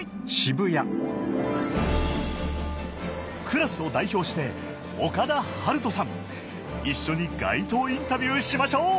クラスを代表して岡田遥人さん一緒に街頭インタビューしましょう！